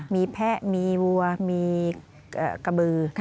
มีแพะมีวัวมีกระบือ